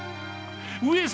上様！